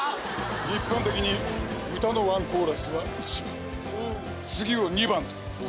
一般的に歌のワンコーラスは１番次を２番と言う。